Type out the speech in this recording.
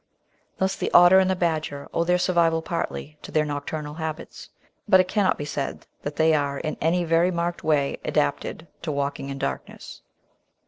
Thus the Otter and the Badger owe their survival partly to their nocturnal habits, but it cannot be said that they are in any very marked way adapted to walking in darkness.